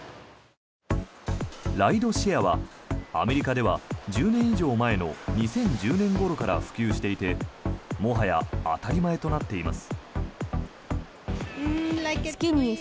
ライドシェアはアメリカでは１０年以上前の２０１０年ごろから普及していてもはや当たり前となっています。